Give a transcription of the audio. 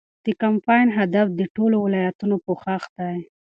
د کمپاین هدف د ټولو ولایتونو پوښښ دی.